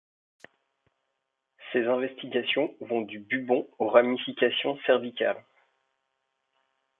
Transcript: Ses investigations vont du bubon aux ramifications cervicales.